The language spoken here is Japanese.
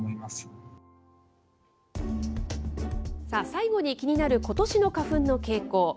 さあ、最後に気になることしの花粉の傾向。